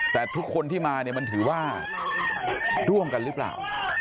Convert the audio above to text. แต่ทุกคนที่มาเนี่ยมันถือว่าร่วมกันหรือเปล่า